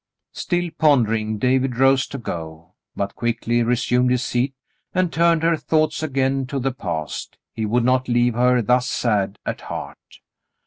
Still pondering, David rose to go, but quickly resumed his seat, and turned her thoughts again to the past. He would not leave her thus sad at heart.